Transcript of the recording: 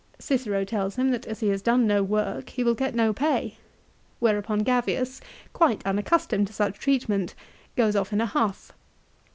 Cicero tells him that as he has done no work he will get no pay ; whereupon Gavius, quite unaccustomed to such treatment, goes off in a huff.